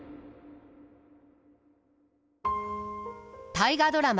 大河ドラマ